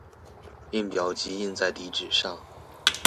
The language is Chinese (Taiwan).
印表機印在底紙上